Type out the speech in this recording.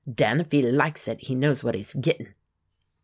Den, if he likes it he knows what he's gittin'."